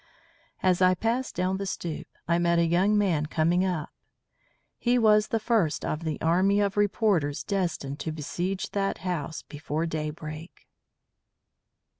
As I passed down the stoop, I met a young man coming up. He was the first of the army of reporters destined to besiege that house before daybreak.